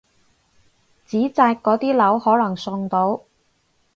紙紮嗰啲樓可能送到！